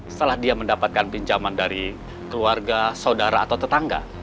setelah dia mendapatkan pinjaman dari keluarga saudara atau tetangga